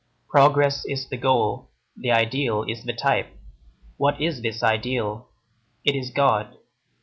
Progress is the goal, the ideal is the type. What is this ideal? It is God.